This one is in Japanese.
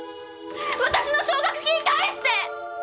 私の奨学金返して！